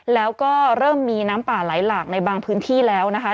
แล้วก็เริ่มมีน้ำป่าไหลหลากในบางพื้นที่แล้วนะคะ